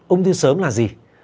ung thư sớm là gì